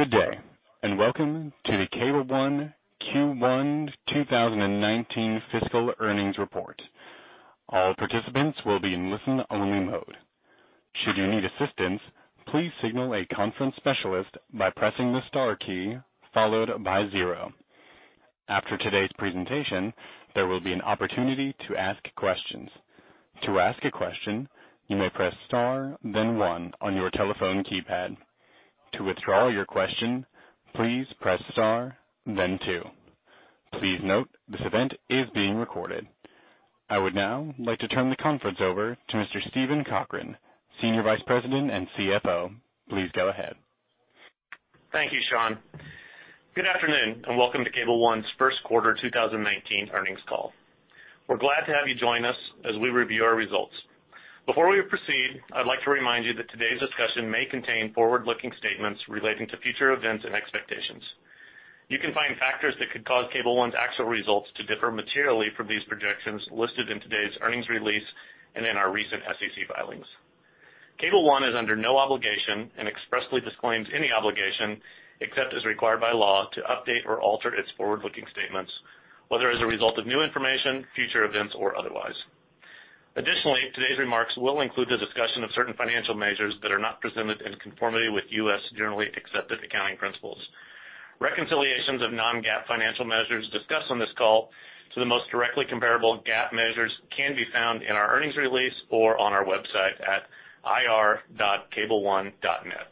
Good day, and welcome to the Cable One Q1 2019 fiscal earnings report. All participants will be in listen-only mode. Should you need assistance, please signal a conference specialist by pressing the star key, followed by zero. After today's presentation, there will be an opportunity to ask questions. To ask a question, you may press star, then one on your telephone keypad. To withdraw your question, please press star, then two. Please note, this event is being recorded. I would now like to turn the conference over to Mr. Steven Cochran, Senior Vice President and CFO. Please go ahead. Thank you, Sean. Good afternoon, and welcome to Cable One's first quarter 2019 earnings call. We're glad to have you join us as we review our results. Before we proceed, I'd like to remind you that today's discussion may contain forward-looking statements relating to future events and expectations. You can find factors that could cause Cable One's actual results to differ materially from these projections listed in today's earnings release and in our recent SEC filings. Cable One is under no obligation and expressly disclaims any obligation, except as required by law, to update or alter its forward-looking statements, whether as a result of new information, future events, or otherwise. Additionally, today's remarks will include a discussion of certain financial measures that are not presented in conformity with U.S. generally accepted accounting principles. Reconciliations of non-GAAP financial measures discussed on this call to the most directly comparable GAAP measures can be found in our earnings release or on our website at ir.cableone.net.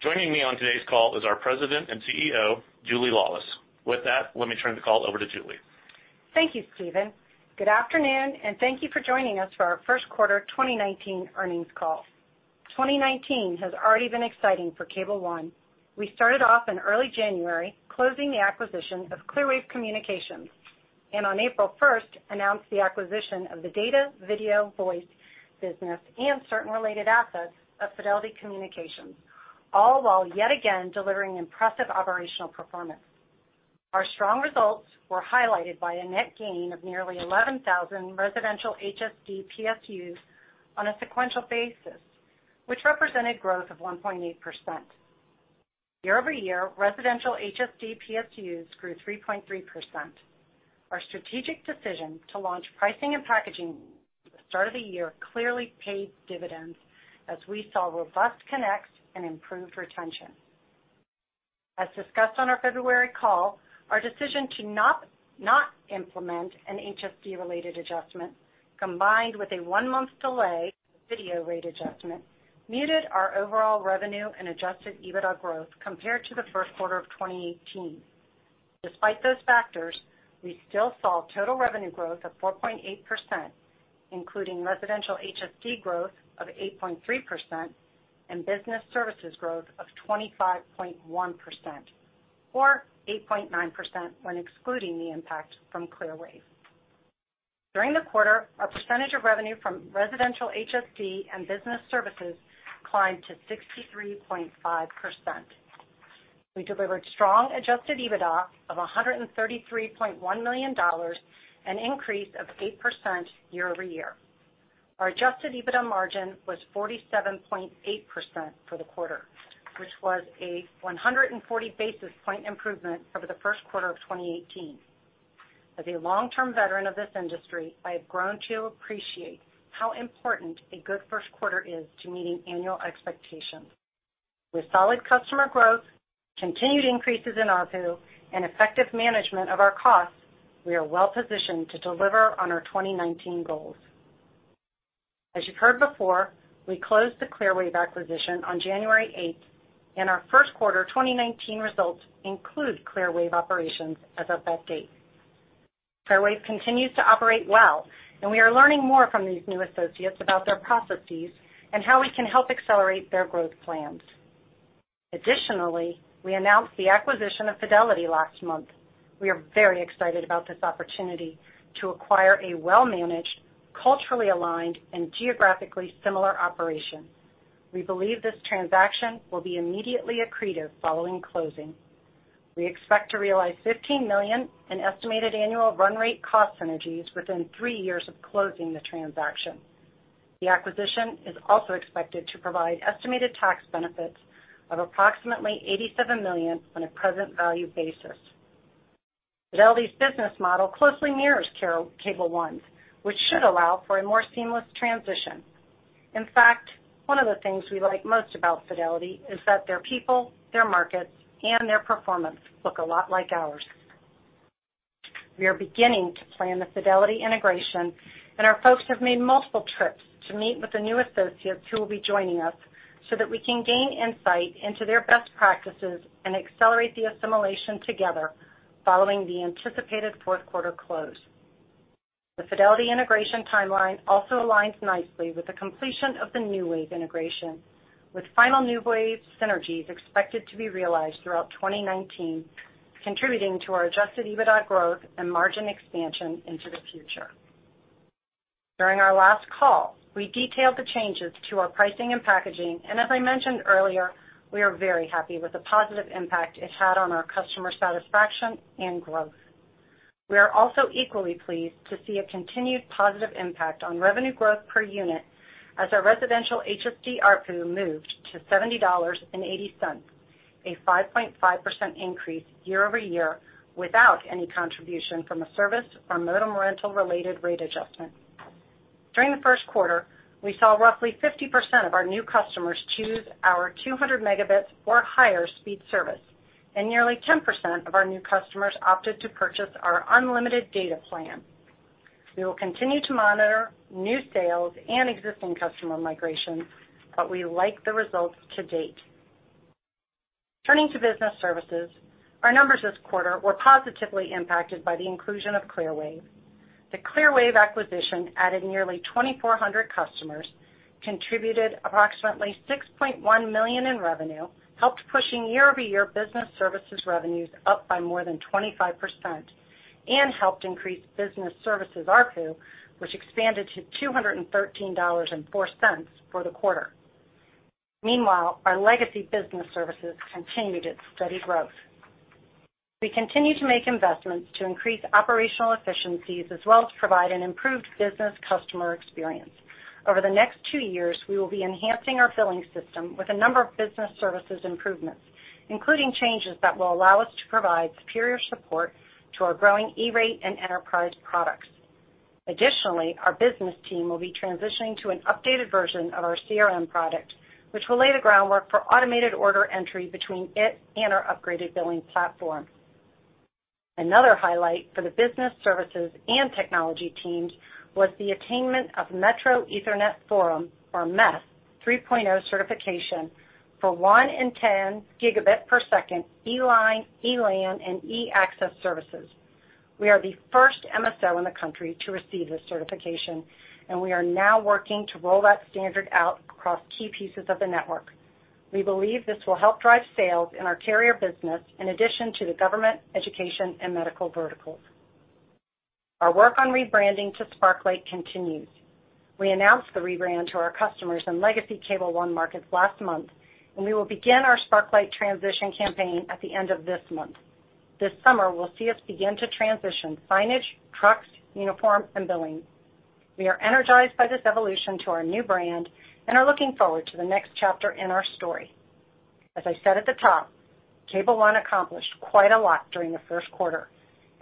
Joining me on today's call is our President and CEO, Julie Laulis. With that, let me turn the call over to Julie. Thank you, Steven. Good afternoon, and thank you for joining us for our first quarter 2019 earnings call. 2019 has already been exciting for Cable One. We started off in early January closing the acquisition of Clearwave Communications, and on April 1st announced the acquisition of the data video voice business and certain related assets of Fidelity Communications, all while yet again delivering impressive operational performance. Our strong results were highlighted by a net gain of nearly 11,000 residential HSD PSUs on a sequential basis, which represented growth of 1.8%. Year-over-year, residential HSD PSUs grew 3.3%. Our strategic decision to launch pricing and packaging at the start of the year clearly paid dividends as we saw robust connects and improved retention. As discussed on our February call, our decision to not implement an HSD-related adjustment, combined with a one-month delay video rate adjustment, muted our overall revenue and Adjusted EBITDA growth compared to the first quarter of 2018. Despite those factors, we still saw total revenue growth of 4.8%, including residential HSD growth of 8.3% and business services growth of 25.1%, or 8.9% when excluding the impact from Clearwave. During the quarter, our percentage of revenue from residential HSD and business services climbed to 63.5%. We delivered strong Adjusted EBITDA of $133.1 million, an increase of 8% year-over-year. Our Adjusted EBITDA margin was 47.8% for the quarter, which was a 140 basis point improvement over the first quarter of 2018. As a long-term veteran of this industry, I have grown to appreciate how important a good first quarter is to meeting annual expectations. With solid customer growth, continued increases in ARPU, and effective management of our costs, we are well positioned to deliver on our 2019 goals. As you've heard before, we closed the Clearwave acquisition on January 8th, and our first quarter 2019 results include Clearwave operations as of that date. Clearwave continues to operate well, and we are learning more from these new associates about their processes and how we can help accelerate their growth plans. Additionally, we announced the acquisition of Fidelity last month. We are very excited about this opportunity to acquire a well-managed, culturally aligned, and geographically similar operation. We believe this transaction will be immediately accretive following closing. We expect to realize $15 million in estimated annual run rate cost synergies within three years of closing the transaction. The acquisition is also expected to provide estimated tax benefits of approximately $87 million on a present value basis. Fidelity's business model closely mirrors Cable One's, which should allow for a more seamless transition. In fact, one of the things we like most about Fidelity is that their people, their markets, and their performance look a lot like ours. We are beginning to plan the Fidelity integration, and our folks have made multiple trips to meet with the new associates who will be joining us so that we can gain insight into their best practices and accelerate the assimilation together following the anticipated fourth quarter close. The Fidelity integration timeline also aligns nicely with the completion of the NewWave Communications integration, with final NewWave Communications synergies expected to be realized throughout 2019, contributing to our Adjusted EBITDA growth and margin expansion into the future. As I mentioned earlier, we are very happy with the positive impact it had on our customer satisfaction and growth. We are also equally pleased to see a continued positive impact on revenue growth per unit as our residential HSD ARPU moved to $70.80, a 5.5% increase year-over-year without any contribution from a service or modem rental related rate adjustment. During the first quarter, we saw roughly 50% of our new customers choose our 200 megabits or higher speed service, and nearly 10% of our new customers opted to purchase our unlimited data plan. We will continue to monitor new sales and existing customer migration, but we like the results to date. Turning to business services, our numbers this quarter were positively impacted by the inclusion of Clearwave. The Clearwave acquisition added nearly 2,400 customers, contributed approximately $6.1 million in revenue, helped pushing year-over-year business services revenues up by more than 25%, and helped increase business services ARPU, which expanded to $213.04 for the quarter. Meanwhile, our legacy business services continued its steady growth. We continue to make investments to increase operational efficiencies as well as provide an improved business customer experience. Over the next two years, we will be enhancing our billing system with a number of business services improvements, including changes that will allow us to provide superior support to our growing E-Rate and enterprise products. Additionally, our business team will be transitioning to an updated version of our CRM product, which will lay the groundwork for automated order entry between it and our upgraded billing platform. Another highlight for the business services and technology teams was the attainment of Metro Ethernet Forum, or MEF, 3.0 certification for one and 10 gigabit per second E-Line, E-LAN, and E-Access services. We are the first MSO in the country to receive this certification. We are now working to roll that standard out across key pieces of the network. We believe this will help drive sales in our carrier business, in addition to the government, education, and medical verticals. Our work on rebranding to Sparklight continues. We announced the rebrand to our customers in legacy Cable One markets last month. We will begin our Sparklight transition campaign at the end of this month. This summer will see us begin to transition signage, trucks, uniforms, and billing. We are energized by this evolution to our new brand and are looking forward to the next chapter in our story. As I said at the top, Cable One accomplished quite a lot during the first quarter.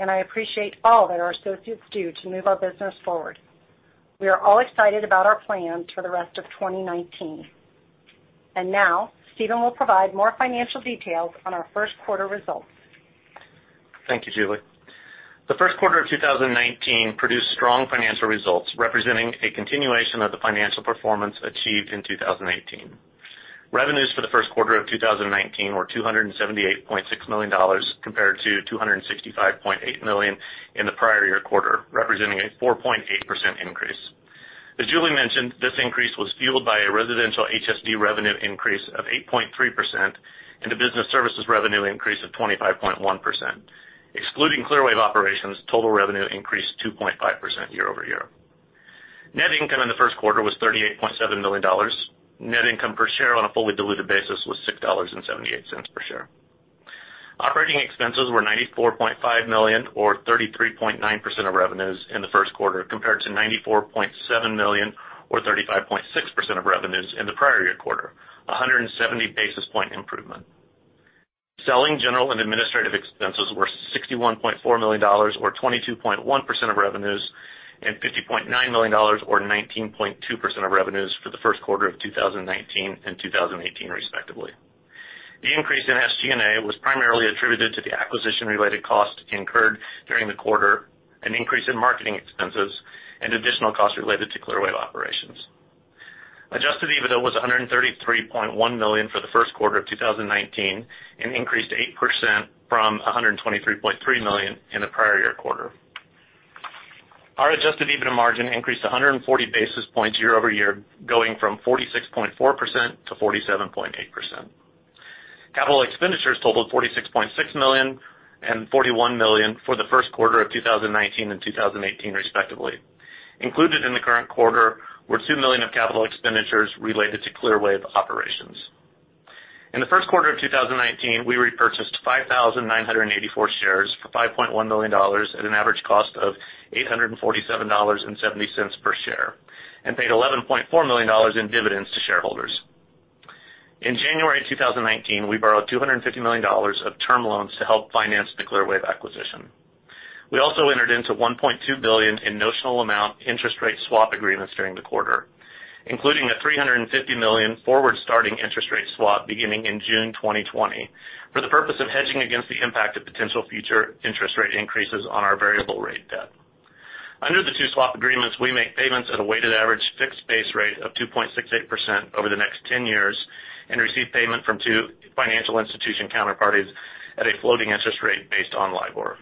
I appreciate all that our associates do to move our business forward. We are all excited about our plans for the rest of 2019. Now Steven will provide more financial details on our first quarter results. Thank you, Julie. The first quarter of 2019 produced strong financial results, representing a continuation of the financial performance achieved in 2018. Revenues for the first quarter of 2019 were $278.6 million, compared to $265.8 million in the prior year quarter, representing a 4.8% increase. As Julie mentioned, this increase was fueled by a residential HSD revenue increase of 8.3% and a business services revenue increase of 25.1%. Excluding Clearwave operations, total revenue increased 2.5% year-over-year. Net income in the first quarter was $38.7 million. Net income per share on a fully diluted basis was $6.78 per share. Operating expenses were $94.5 million, or 33.9% of revenues in the first quarter, compared to $94.7 million, or 35.6% of revenues in the prior year quarter, a 170 basis point improvement. Selling general and administrative expenses were $61.4 million, or 22.1% of revenues, and $50.9 million, or 19.2% of revenues for the first quarter of 2019 and 2018, respectively. The increase in SG&A was primarily attributed to the acquisition-related costs incurred during the quarter, an increase in marketing expenses, and additional costs related to Clearwave operations. Adjusted EBITDA was $133.1 million for the first quarter of 2019, an increase of 8% from $123.3 million in the prior year quarter. Our Adjusted EBITDA margin increased 140 basis points year-over-year, going from 46.4% to 47.8%. Capital expenditures totaled $46.6 million and $41 million for the first quarter of 2019 and 2018, respectively. Included in the current quarter were $2 million of capital expenditures related to Clearwave operations. In the first quarter of 2019, we repurchased 5,984 shares for $5.1 million at an average cost of $847.70 per share and paid $11.4 million in dividends to shareholders. In January 2019, we borrowed $250 million of term loans to help finance the Clearwave acquisition. We also entered into $1.2 billion in notional amount interest rate swap agreements during the quarter, including a $350 million forward-starting interest rate swap beginning in June 2020, for the purpose of hedging against the impact of potential future interest rate increases on our variable rate debt. Under the two swap agreements, we make payments at a weighted average fixed base rate of 2.68% over the next 10 years and receive payment from two financial institution counterparties at a floating interest rate based on LIBOR.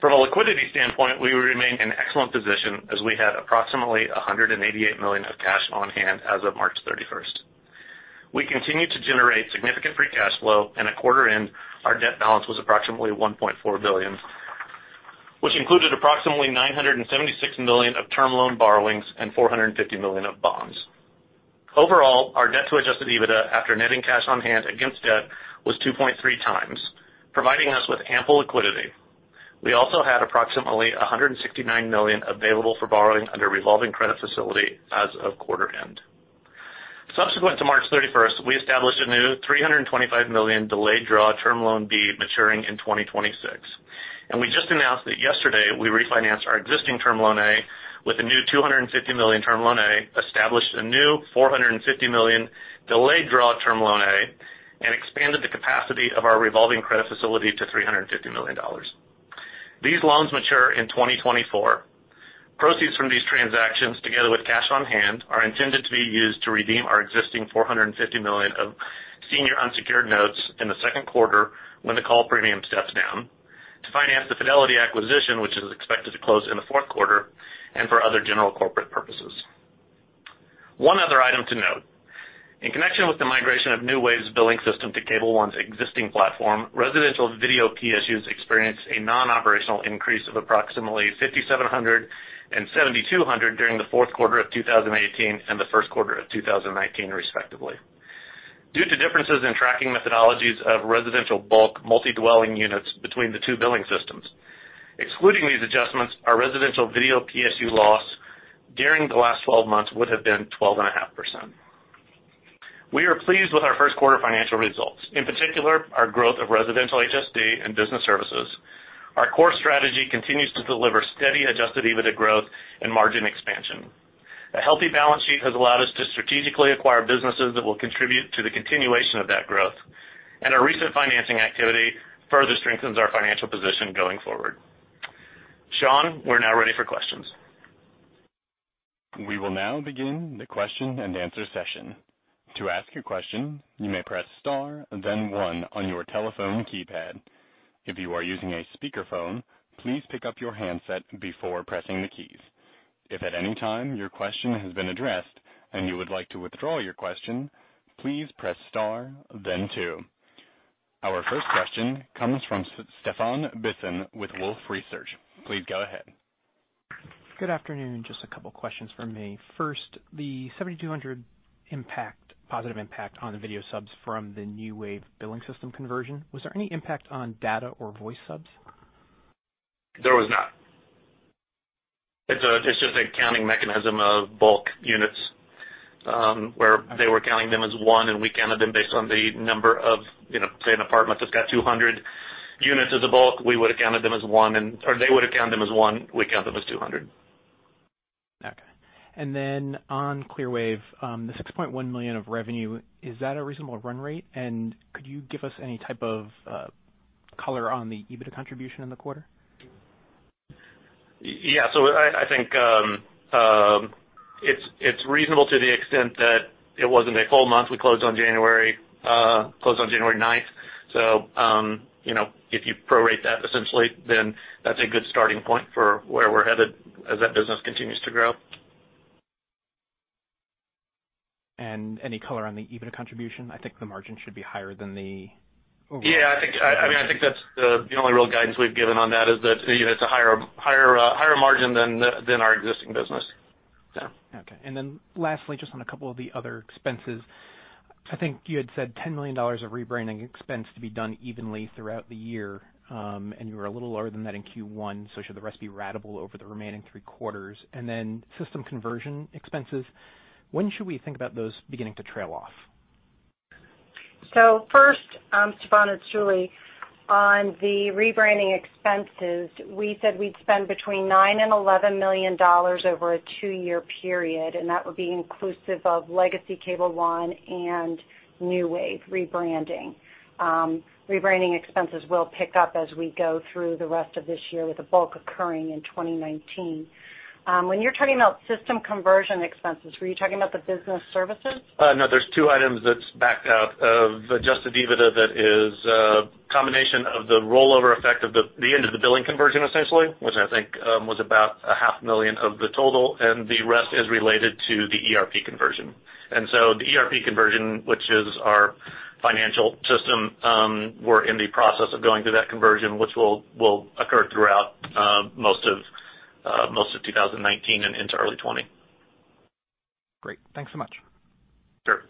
From a liquidity standpoint, we remain in excellent position, as we had approximately $188 million of cash on hand as of March 31st. We continue to generate significant free cash flow, and at quarter end, our debt balance was approximately $1.4 billion, which included approximately $976 million of term loan borrowings and $450 million of bonds. Overall, our debt to Adjusted EBITDA after netting cash on hand against debt was 2.3 times, providing us with ample liquidity. We also had approximately $169 million available for borrowing under revolving credit facility as of quarter end. Subsequent to March 31st, we established a new $325 million delayed draw Term Loan B maturing in 2026. We just announced that yesterday we refinanced our existing Term Loan A with a new $250 million Term Loan A, established a new $450 million delayed draw Term Loan A, and expanded the capacity of our revolving credit facility to $350 million. These loans mature in 2024. Proceeds from these transactions, together with cash on hand, are intended to be used to redeem our existing $450 million of senior unsecured notes in the second quarter when the call premium steps down to finance the Fidelity acquisition, which is expected to close in the fourth quarter, and for other general corporate purposes. One other item to note. In connection with the migration of NewWave Communications's billing system to Cable One's existing platform, residential video PSUs experienced a non-operational increase of approximately 5,700 and 7,200 during the fourth quarter of 2018 and the first quarter of 2019, respectively. Due to differences in tracking methodologies of residential bulk multi-dwelling units between the two billing systems. Excluding these adjustments, our residential video PSU loss during the last 12 months would have been 12 and a half %. We are pleased with our first quarter financial results. In particular, our growth of residential HSD and business services. Our core strategy continues to deliver steady Adjusted EBITDA growth and margin expansion. A healthy balance sheet has allowed us to strategically acquire businesses that will contribute to the continuation of that growth. Our recent financing activity further strengthens our financial position going forward. Sean, we're now ready for questions. We will now begin the question and answer session. To ask a question, you may press star then one on your telephone keypad. If you are using a speakerphone, please pick up your handset before pressing the keys. If at any time your question has been addressed and you would like to withdraw your question, please press star then two. Our first question comes from Stephan Bisson with Wolfe Research. Please go ahead. Good afternoon. Just a couple questions for me. First, the 7,200 positive impact on the video subs from the NewWave Communications billing system conversion, was there any impact on data or voice subs? There was not. It's just an accounting mechanism of bulk units, where they were counting them as one, and we counted them based on the number of, say, an apartment that's got 200 units as a bulk, we would have counted them as one or they would count them as one, we count them as 200. Okay. On Clearwave, the $6.1 million of revenue, is that a reasonable run rate? Could you give us any type of color on the EBITDA contribution in the quarter? Yeah. I think it's reasonable to the extent that it wasn't a full month. We closed on January 9th. If you pro rate that essentially, that's a good starting point for where we're headed as that business continues to grow. Any color on the EBITDA contribution? I think the margin should be higher than the overall. Yeah, I think that's the only real guidance we've given on that is that it's a higher margin than our existing business. Yeah. Lastly, just on a couple of the other expenses. I think you had said $10 million of rebranding expense to be done evenly throughout the year. You were a little lower than that in Q1, should the rest be ratable over the remaining three quarters? System conversion expenses, when should we think about those beginning to trail off? First, Stephan, it's Julie. On the rebranding expenses, we said we'd spend between $9 million and $11 million over a two-year period, that would be inclusive of Legacy Cable One and NewWave Communications rebranding. Rebranding expenses will pick up as we go through the rest of this year, with the bulk occurring in 2019. When you're talking about system conversion expenses, were you talking about the business services? No, there's two items that's backed out of Adjusted EBITDA. That is a combination of the rollover effect of the end of the billing conversion, essentially, which I think was about a half million of the total, and the rest is related to the ERP conversion. The ERP conversion, which is our financial system, we're in the process of going through that conversion, which will occur throughout most of 2019 and into early 2020. Great. Thanks so much. Sure.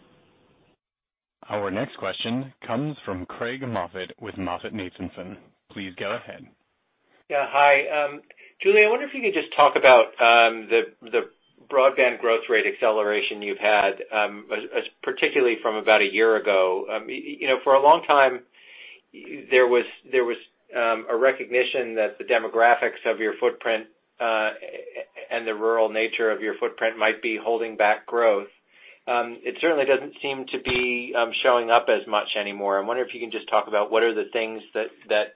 Our next question comes from Craig Moffett with MoffettNathanson. Please go ahead. Yeah. Hi, Julie. I wonder if you could just talk about the broadband growth rate acceleration you've had, particularly from about a year ago. For a long time, there was a recognition that the demographics of your footprint, and the rural nature of your footprint might be holding back growth. It certainly doesn't seem to be showing up as much anymore. I wonder if you can just talk about what are the things that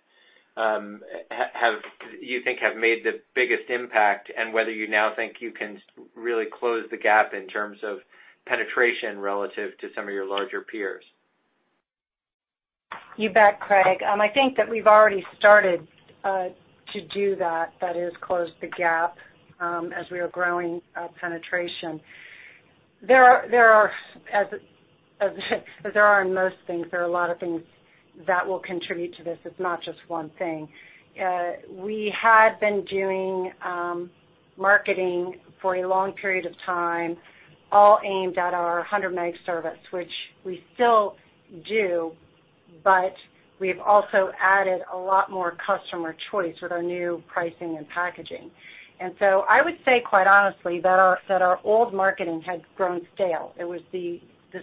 you think have made the biggest impact, and whether you now think you can really close the gap in terms of penetration relative to some of your larger peers. You bet, Craig. I think that we've already started to do that is close the gap, as we are growing our penetration. As there are in most things, there are a lot of things that will contribute to this. It's not just one thing. We had been doing marketing for a long period of time, all aimed at our 100 meg service, which we still do, but we've also added a lot more customer choice with our new pricing and packaging. I would say quite honestly that our old marketing had grown stale. It was the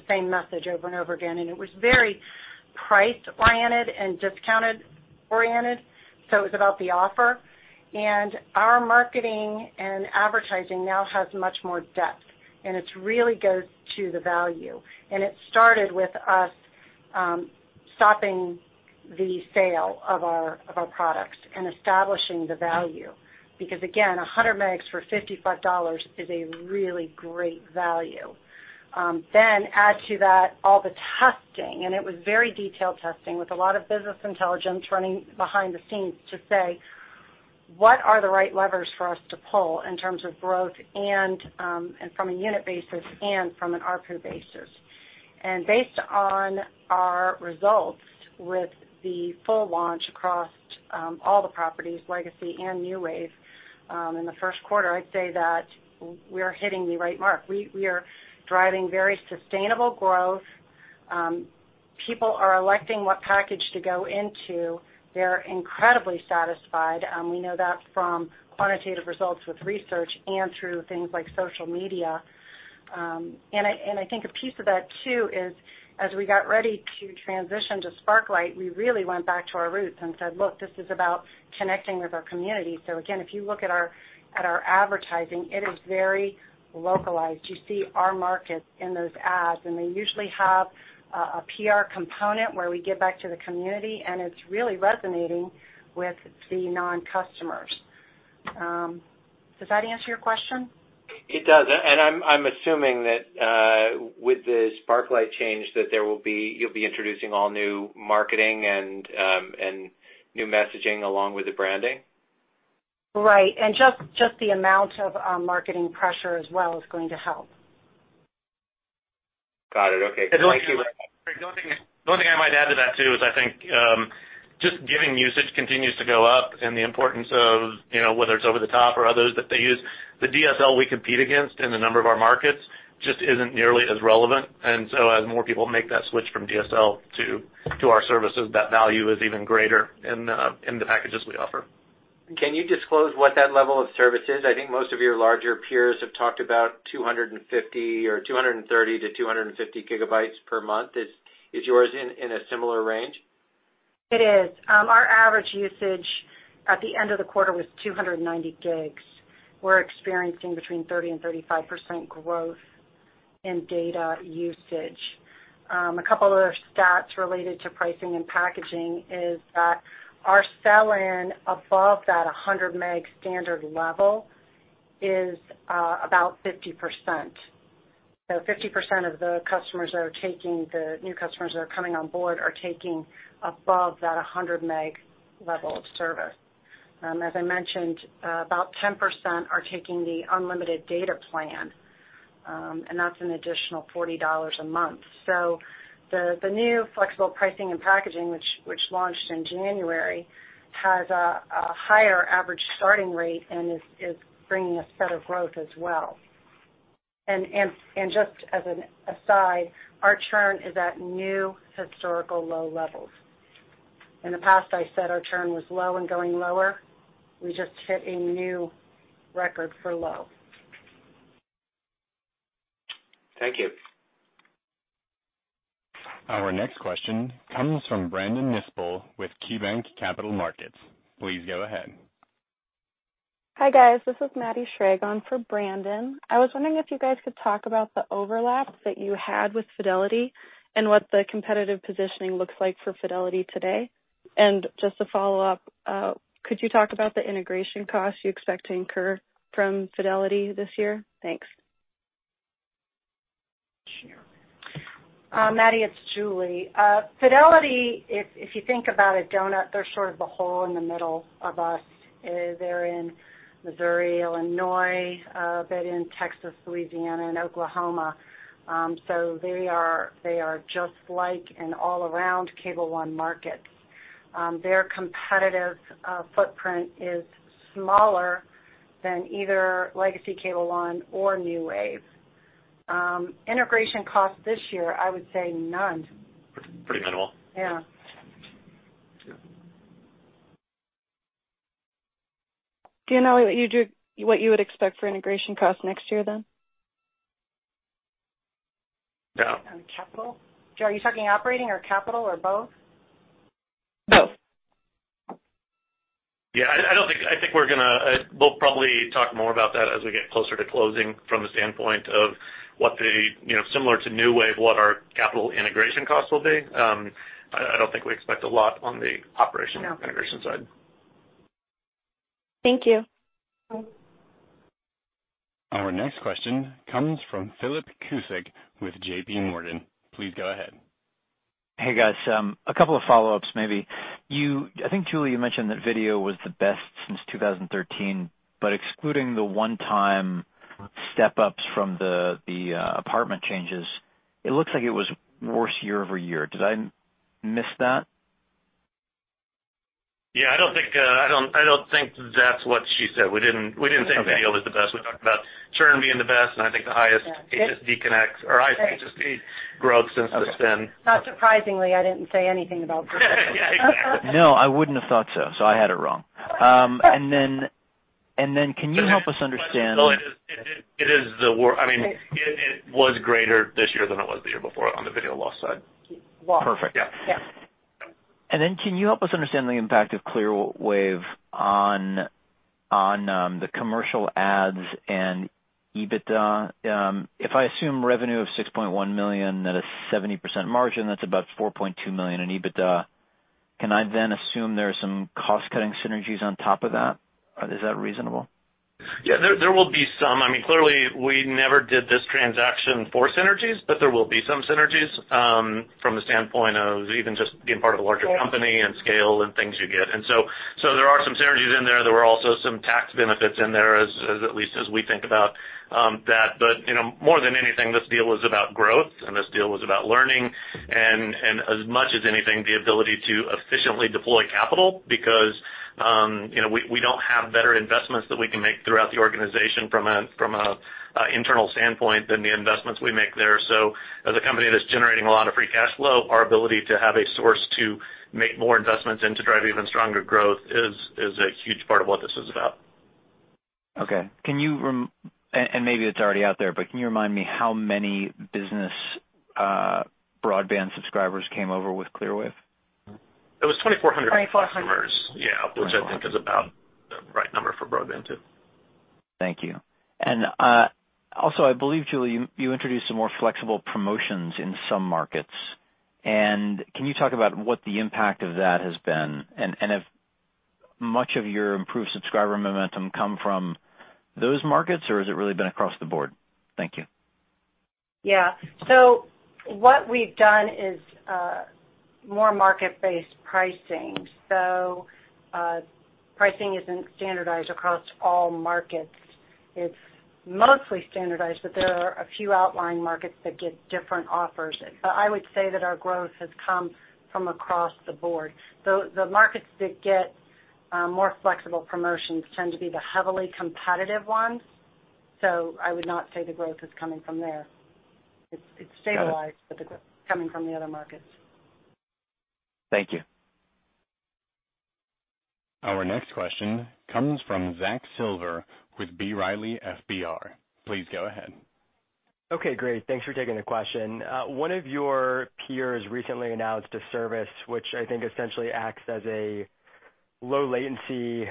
same message over and over again, and it was very price-oriented and discounted-oriented, so it was about the offer. Our marketing and advertising now has much more depth, and it really goes to the value. It started with us stopping the sale of our products and establishing the value, because again, 100 megs for $55 is a really great value. Then add to that all the testing, and it was very detailed testing with a lot of business intelligence running behind the scenes to say, what are the right levers for us to pull in terms of growth and from a unit basis and from an ARPU basis. Based on our results with the full launch across all the properties, legacy and NewWave Communications, in the first quarter, I'd say that we are hitting the right mark. We are driving very sustainable growth. People are electing what package to go into. They're incredibly satisfied. We know that from quantitative results with research and through things like social media. I think a piece of that, too, is as we got ready to transition to Sparklight, we really went back to our roots and said, look, this is about connecting with our community. Again, if you look at our advertising, it is very localized. You see our markets in those ads, and they usually have a PR component where we give back to the community, and it's really resonating with the non-customers. Does that answer your question? It does. I'm assuming that with the Sparklight change, that you'll be introducing all new marketing and new messaging along with the branding? Right. Just the amount of marketing pressure as well is going to help. Got it. Okay. Thank you. The only thing I might add to that, too, is I think just given usage continues to go up and the importance of whether it's over-the-top or others that they use, the DSL we compete against in a number of our markets just isn't nearly as relevant. As more people make that switch from DSL to our services, that value is even greater in the packages we offer. Can you disclose what that level of service is? I think most of your larger peers have talked about 230-250 GB per month. Is yours in a similar range? It is. Our average usage at the end of the quarter was 290 GB. We're experiencing between 30%-35% growth in data usage. A couple other stats related to pricing and packaging is that our sell-in above that 100 Mbps standard level is about 50%. 50% of the new customers that are coming on board are taking above that 100 Mbps level of service. As I mentioned, about 10% are taking the unlimited data plan, and that's an additional $40 a month. The new flexible pricing and packaging, which launched in January, has a higher average starting rate and is bringing us better growth as well. Just as an aside, our churn is at new historical low levels. In the past, I said our churn was low and going lower. We just hit a new record for low. Thank you. Our next question comes from Brandon Nispel with KeyBanc Capital Markets. Please go ahead. Hi, guys. This is Maddison Schrage on for Brandon. I was wondering if you guys could talk about the overlap that you had with Fidelity and what the competitive positioning looks like for Fidelity today. Just to follow up, could you talk about the integration costs you expect to incur from Fidelity this year? Thanks. Sure. Maddie, it's Julie. Fidelity, if you think about a donut, they're sort of the hole in the middle of us. They're in Missouri, Illinois, a bit in Texas, Louisiana, and Oklahoma. They are just like an all-around Cable One market. Their competitive footprint is smaller than either legacy Cable One or NewWave Communications. Integration cost this year, I would say none. Pretty minimal. Yeah. Do you know what you would expect for integration cost next year, then? No. On capital? Are you talking operating or capital or both? Both. Yeah, I think we'll probably talk more about that as we get closer to closing from the standpoint of, similar to NewWave Communications, what our capital integration costs will be. I don't think we expect a lot on the operational integration side. Thank you. Bye. Our next question comes from Philip Cusick with J.P. Morgan. Please go ahead Hey guys, a couple of follow-ups, maybe. I think, Julie, you mentioned that video was the best since 2013, but excluding the one-time step-ups from the apartment changes, it looks like it was worse year-over-year. Did I miss that? Yeah, I don't think that's what she said. We didn't say video was the best. We talked about churn being the best, and I think the highest HSD connects, or highest HSD growth since the spin. Not surprisingly, I didn't say anything about video. Yeah, exactly. No, I wouldn't have thought so I had it wrong. Can you help us understand? It is the worst. It was greater this year than it was the year before on the video loss side. Perfect. Yes. Can you help us understand the impact of Clearwave on the commercial ads and EBITDA? If I assume revenue of $6.1 million at a 70% margin, that's about $4.2 million in EBITDA, can I then assume there are some cost-cutting synergies on top of that? Is that reasonable? Yeah, there will be some. Clearly, we never did this transaction for synergies, but there will be some synergies, from the standpoint of even just being part of a larger company and scale and things you get. There are some synergies in there. There were also some tax benefits in there, at least as we think about that. More than anything, this deal is about growth and this deal is about learning and, as much as anything, the ability to efficiently deploy capital because we don't have better investments that we can make throughout the organization from an internal standpoint than the investments we make there. As a company that's generating a lot of free cash flow, our ability to have a source to make more investments and to drive even stronger growth is a huge part of what this is about. Okay. Maybe it's already out there, but can you remind me how many business broadband subscribers came over with Clearwave? It was 2,400 subscribers. 2,400. Yeah. Which I think is about the right number for broadband, too. Thank you. Also, I believe, Julie, you introduced some more flexible promotions in some markets. Can you talk about what the impact of that has been, and if much of your improved subscriber momentum come from those markets, or has it really been across the board? Thank you. Yeah. What we've done is more market-based pricing. Pricing isn't standardized across all markets. It's mostly standardized, but there are a few outlying markets that get different offers. I would say that our growth has come from across the board. The markets that get more flexible promotions tend to be the heavily competitive ones. I would not say the growth is coming from there. It's stabilized, but the growth is coming from the other markets. Thank you. Our next question comes from Zachary Silver with B. Riley FBR. Please go ahead. Okay, great. Thanks for taking the question. One of your peers recently announced a service which I think essentially acts as a low latency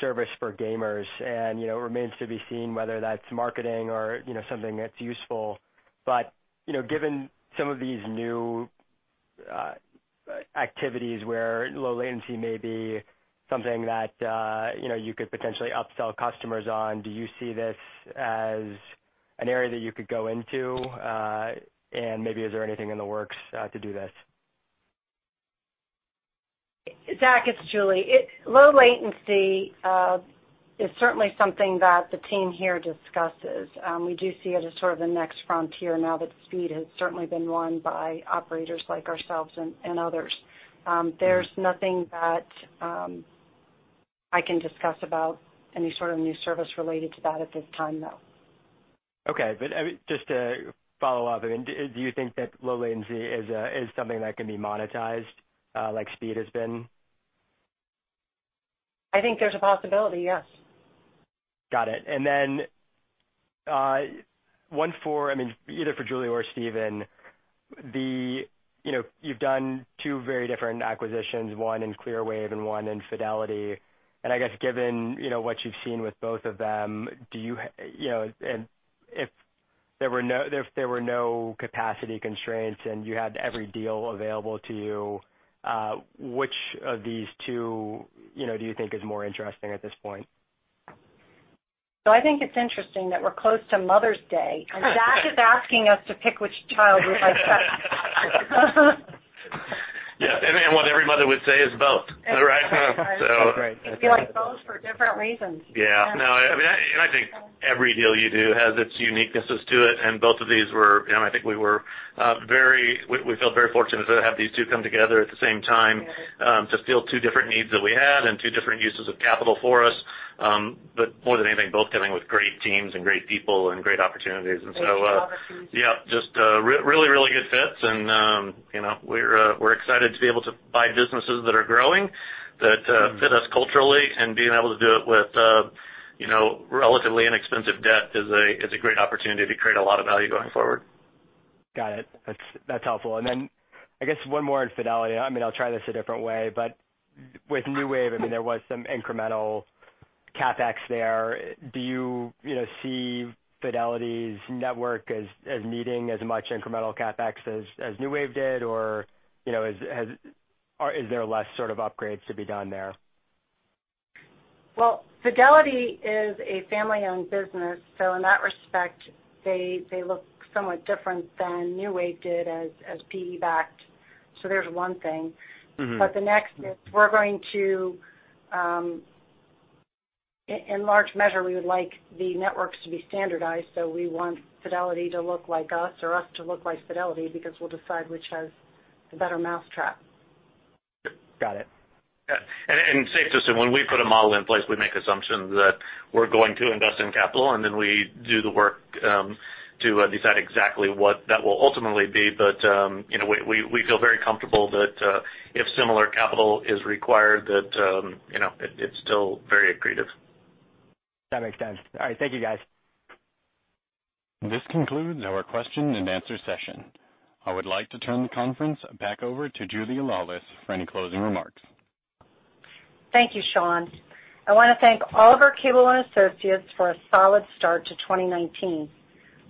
service for gamers, and it remains to be seen whether that's marketing or something that's useful. Given some of these new activities where low latency may be something that you could potentially upsell customers on, do you see this as an area that you could go into? Maybe is there anything in the works to do this? Zach, it's Julie. Low latency is certainly something that the team here discusses. We do see it as sort of the next frontier now that speed has certainly been won by operators like ourselves and others. There's nothing that I can discuss about any sort of new service related to that at this time, though. Okay. Just to follow up, do you think that low latency is something that can be monetized like speed has been? I think there's a possibility, yes. Got it. Then, one for either Julie or Steven. You've done two very different acquisitions, one in Clearwave and one in Fidelity. I guess given what you've seen with both of them, if there were no capacity constraints and you had every deal available to you, which of these two do you think is more interesting at this point? I think it's interesting that we're close to Mother's Day, and Zach is asking us to pick which child we like best. Yeah. What every mother would say is both, right? That's right. I feel like both for different reasons. Yeah. No, I think every deal you do has its uniquenesses to it, both of these I think we felt very fortunate to have these two come together at the same time to fill two different needs that we had and two different uses of capital for us. More than anything, both coming with great teams and great people and great opportunities. They each have opportunities. Yeah. Just really, really good fits, we're excited to be able to buy businesses that are growing, that fit us culturally, and being able to do it with relatively inexpensive debt is a great opportunity to create a lot of value going forward. Got it. That's helpful. Then I guess one more on Fidelity. I'll try this a different way, but with NewWave Communications, there was some incremental CapEx there. Do you see Fidelity's network as needing as much incremental CapEx as NewWave Communications did, or is there less sort of upgrades to be done there? Well, Fidelity is a family-owned business, in that respect, they look somewhat different than NewWave Communications did as PE-backed. There's one thing. The next is, in large measure, we would like the networks to be standardized. We want Fidelity to look like us or us to look like Fidelity because we'll decide which has the better mousetrap. Got it. Yeah. Safe to say, when we put a model in place, we make assumptions that we're going to invest in capital, then we do the work to decide exactly what that will ultimately be. We feel very comfortable that if similar capital is required, that it's still very accretive. That makes sense. All right. Thank you guys. This concludes our question and answer session. I would like to turn the conference back over to Julie Laulis for any closing remarks. Thank you, Sean. I want to thank all of our Cable One associates for a solid start to 2019.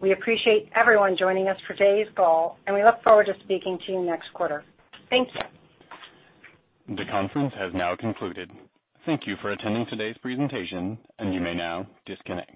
We appreciate everyone joining us for today's call, and we look forward to speaking to you next quarter. Thank you. The conference has now concluded. Thank you for attending today's presentation, and you may now disconnect.